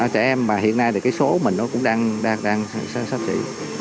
trẻ em mà hiện nay thì cái số mình nó cũng đang sắp xỉ